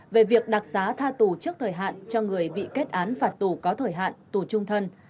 về việc đặc xá tha tù trước thời hạn cho người bị kết án phạt tù có thời hạn tù trung thân